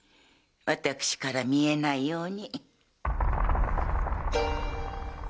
わたくしから見えないように。